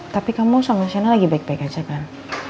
tapi kamu sama saya lagi baik baik aja kan